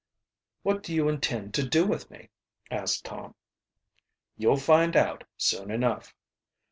"What do you intend to do with me?" asked Tom. "You'll find out soon enough."